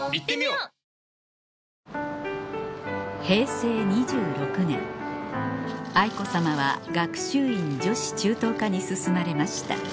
平成２６年愛子さまは学習院女子中等科に進まれました